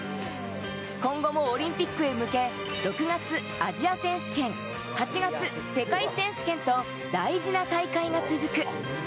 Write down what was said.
今後もオリンピックへ向け、６月アジア選手権、８月世界選手権と大事な大会が続く。